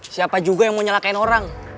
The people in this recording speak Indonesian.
siapa juga yang mau nyalakan orang